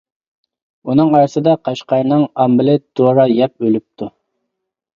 ئۇنىڭ ئارىسىدا قەشقەرنىڭ ئامبىلى دورا يەپ ئۆلۈپتۇ.